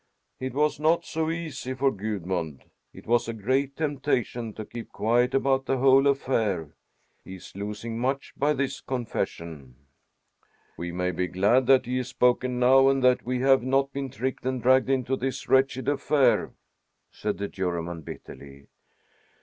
"It was not so easy for Gudmund. It was a great temptation to keep quiet about the whole affair. He is losing much by this confession." "We may be glad that he has spoken now, and that we have not been tricked and dragged into this wretched affair," said the Juryman bitterly.